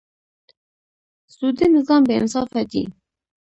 سودي نظام بېانصافه دی.